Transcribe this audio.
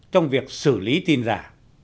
trong việc xử lý tin giả